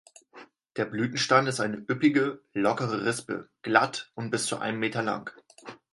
Der Blütenstand ist eine üppige, lockere Rispe, glatt und bis zu einem Meter lang.